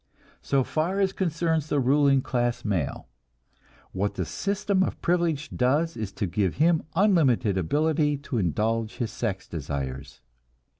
So far as concerns the ruling class male, what the system of privilege does is to give him unlimited ability to indulge his sex desires.